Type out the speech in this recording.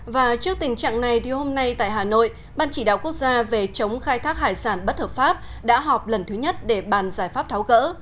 và trước tình trạng này hôm nay tại hà nội ban chỉ đạo quốc gia về chống khai thác hải sản bất hợp pháp đã họp lần thứ nhất để bàn giải pháp tháo gỡ